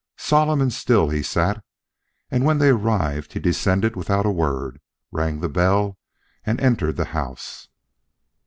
Solemn and still he sat, and when they arrived he descended without a word, rang the bell and entered the house.